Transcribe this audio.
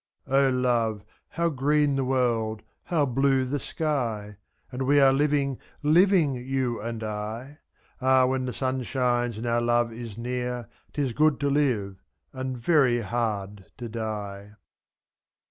O love, how green the world, how blue the sky! And we are living — living — you and I! fi^.Ah, when the sun shines and our love is near, 'Tis good to live, and very hard to die.